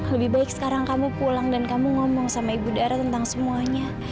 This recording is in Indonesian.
lebih baik sekarang kamu pulang dan kamu ngomong sama ibu dara tentang semuanya